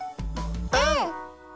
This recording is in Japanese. うん！